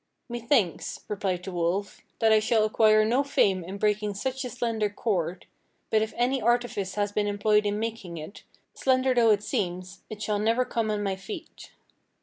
"'Methinks,' replied the wolf, 'that I shall acquire no fame in breaking such a slender cord; but if any artifice has been employed in making it, slender though it seems, it shall never come on my feet.'